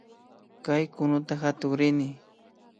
Kay kunuta katukrini